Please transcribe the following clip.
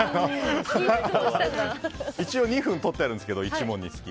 一応２分とってあるんですけど１問につき。